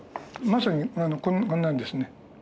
まさにこんなんですね。